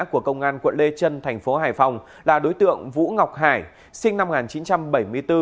của công an quận lê trân thành phố hải phòng là đối tượng vũ ngọc hải sinh năm một nghìn chín trăm bảy mươi bốn